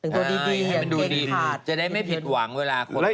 ให้มันดูดีจะได้ไม่ผิดหวังเวลาคนเข้าเย็นหลัง